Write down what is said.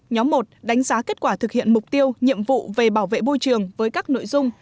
nhóm một đánh giá kết quả thực hiện mục tiêu nhiệm vụ về bảo vệ môi trường với các nội dung